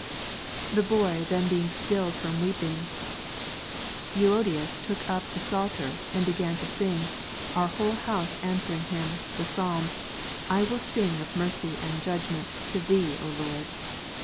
31. The boy then being stilled from weeping, Euodius '~? took up the Psalter, and began to sing, our whole house answering him, the Psalm, I will sing of mercy and judgment "^s. 101. to Thee, O Lord"^.